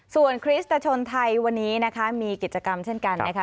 ส่วนคริสตชนไทยวันนี้นะคะมีกิจกรรมเช่นกันนะคะ